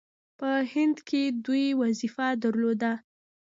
په هند کې دوی وظیفه درلوده.